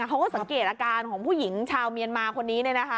เขาก็สังเกตอาการของผู้หญิงชาวเมียนมาคนนี้